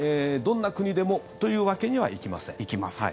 どんな国でもというわけにはいきません。